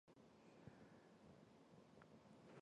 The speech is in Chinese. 叶刘淑仪接受传媒查询时强调今次事件与选举无关。